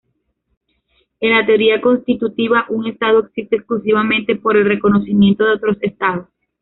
En la teoría constitutiva un estado existe exclusivamente por el reconocimiento de otros estados.